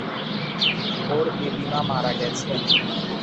ওর দিদিমা মারা গেছেন।